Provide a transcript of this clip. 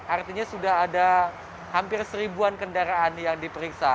artinya sudah ada hampir seribuan kendaraan yang diperiksa